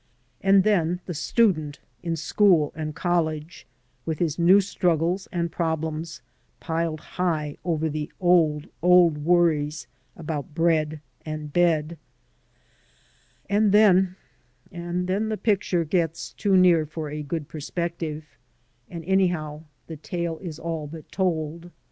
And then the student in school and college, with his new struggles and problems piled high over the old, old worries about bread and bed. And then — and then the picture gets 60 AN AMERICAN IN THE MAKING too near for a good perspective, and anyhow the tale is all but told.